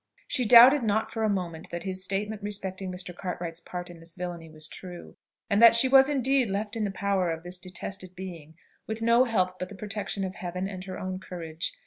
She doubted not for a moment that his statement respecting Mr. Cartwright's part in this villany was true, and that she was indeed left in the power of this detested being, with no help but the protection of Heaven and her own courage.